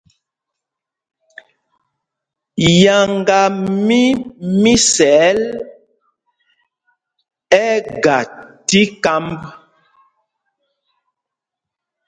Yáŋgá mí Misɛɛl ɛ́ ɛ́ ga tí kámb.